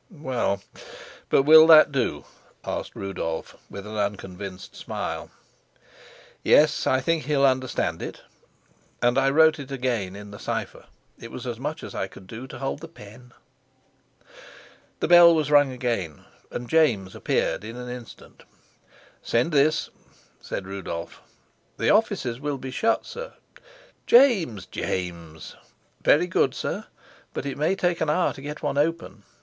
"Well, but will that do?" asked Rudolf, with an unconvinced smile. "Yes, I think he'll understand it." And I wrote it again in the cipher; it was as much as I could do to hold the pen. The bell was rung again, and James appeared in an instant. "Send this," said Rudolf. "The offices will be shut, sir." "James, James!" "Very good, sir; but it may take an hour to get one open."